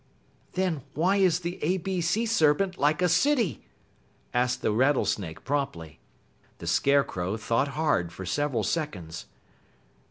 "Then why is the A B Sea Serpent like a city?" asked the Rattlesnake promptly. The Scarecrow thought hard for several seconds.